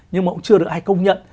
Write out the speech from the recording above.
nhưng mà cũng chưa được ai công nhận